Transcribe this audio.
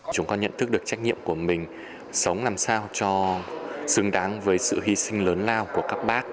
chúng con nhận thức được trách nhiệm của mình sống làm sao cho xứng đáng với sự hy sinh lớn lao của các bác